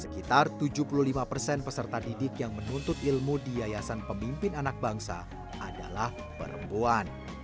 sekitar tujuh puluh lima persen peserta didik yang menuntut ilmu di yayasan pemimpin anak bangsa adalah perempuan